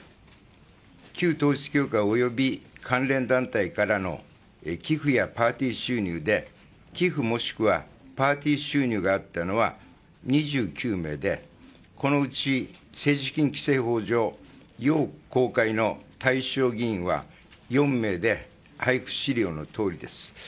旧統一教会および関連団体からの寄付やパーティー収入や寄付もしくはパーティー収入があったのは２９名でこのうち政治資金規正法上要公開の対象議員は４名おり配布資料のとおりです。